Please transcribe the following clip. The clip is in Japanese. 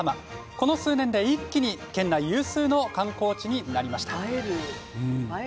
この数年で一気に県内有数の観光地になりました。